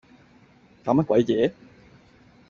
搞乜鬼嘢